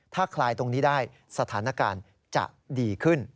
ถ้าคลายตรงนี้ได้สถานการณ์จะดีขึ้น